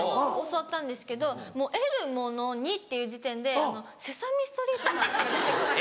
教わったんですけどもう「えるものに」っていう時点で『セサミストリート』の話が。